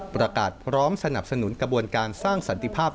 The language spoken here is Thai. ประกาศพร้อมสนับสนุนกระบวนการสร้างสันติภาพ